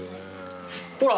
ほら。